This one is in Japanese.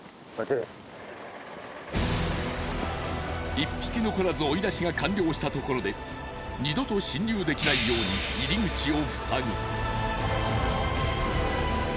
１匹残らず追い出しが完了したところで二度と侵入できないように入り口を塞ぐ。